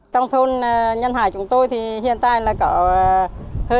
trong thôn nhân hải chúng tôi thì hiện tại là có hơn hai trăm linh chị em phụ nữ